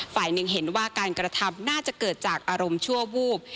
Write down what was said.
ฝ่ายหนึ่งเห็นว่าการกระทำน่าจะเกิดจากอารมณ์ชั่ววูบ